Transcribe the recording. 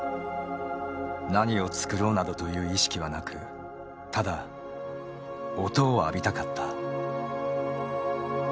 何を作ろうなどという意識はなくただ「音」を浴びたかった。